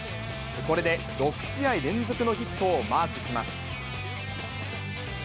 これで６試合連続のヒットをマークします。